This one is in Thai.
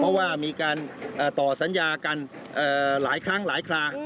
เพราะว่ามีการต่อสัญญากันหลายครั้งหลายครา